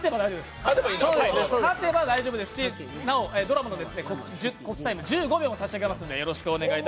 勝てば大丈夫ですし、なお、ドラマの告知タイム１５秒も差し上げますので頑張ってください。